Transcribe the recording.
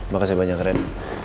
makasih banyak ren